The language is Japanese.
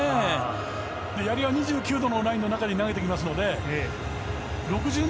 やりは２９度のラインの中に投げてきますので６０ｍ